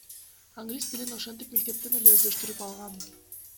Англис тилин ошентип мектептен эле өздөштүрүп алгам.